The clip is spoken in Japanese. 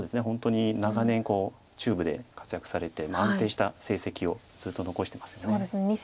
本当に長年中部で活躍されて安定した成績をずっと残してますよね。